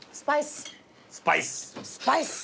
スパイス！